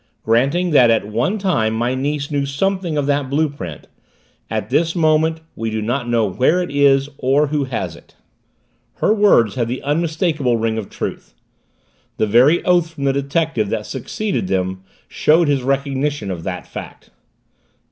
Granting that at one time my niece knew something of that blue print at this moment we do not know where it is or who has it." Her words had the unmistakable ring of truth. The very oath from the detective that succeeded them showed his recognition of the fact.